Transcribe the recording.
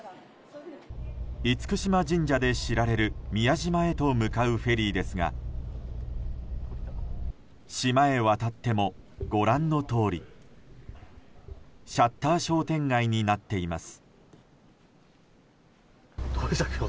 厳島神社で知られる宮島へと向かうフェリーですが島へ渡っても、ご覧のとおりシャッター商店街になっています。